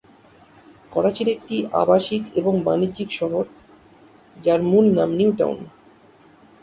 করাচির একটি আবাসিক এবং বাণিজ্যিক শহর, যার মূল নাম ""নিউ টাউন""।